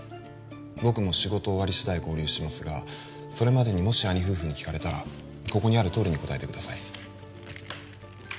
僕も仕事終わりしだい合流しますがそれまでにもし兄夫婦に聞かれたらここにあるとおりに答えてください